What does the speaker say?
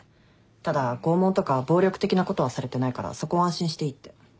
ただ拷問とか暴力的なことはされてないからそこは安心していいって。